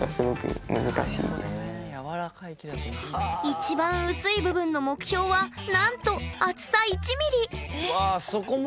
一番薄い部分の目標はなんと厚さ１ミリ。